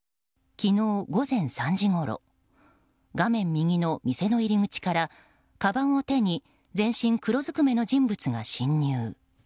昨日午前３時ごろ画面右の店の入り口からかばんを手に全身黒ずくめの人物が侵入。